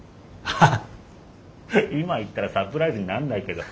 ハハッ今言ったらサプライズになんないけど。